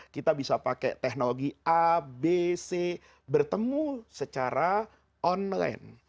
kita bisa pakai teknologi a b c bertemu secara online